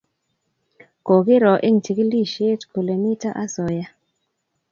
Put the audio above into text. kokiro eng chikilishet kole mito asoya